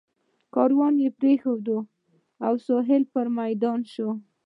کاروان یې پرېښود او سهیل پر میدان شو.